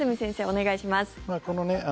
お願いします。